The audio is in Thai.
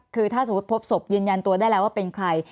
คือถ้าสมมุติพบศพยืนยันตัวได้แล้วว่าเป็นใคร